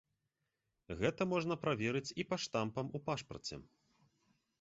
Гэта можна праверыць і па штампам у пашпарце.